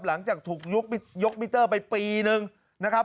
หลังจากถูกยกมิเตอร์ไปปีนึงนะครับ